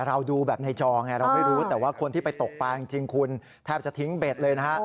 เราดูแบบในจอไงเราไม่รู้แต่ว่าคนที่ไปตกปลาจริงคุณแทบจะทิ้งเบ็ดเลยนะฮะ